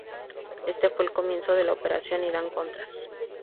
Este fue el comienzo de la operación Irán-contras.